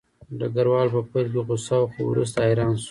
ډګروال په پیل کې غوسه و خو وروسته حیران شو